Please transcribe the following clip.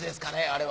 あれは。